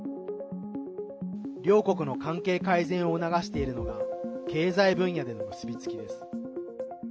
両国の関係改善を促しているのが経済分野での結びつきです。